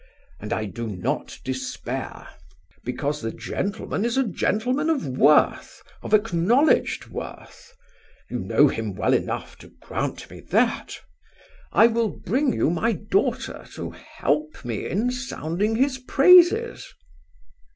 And I do not despair, because the gentleman is a gentleman of worth, of acknowledged worth. You know him well enough to grant me that. I will bring you my daughter to help me in sounding his praises."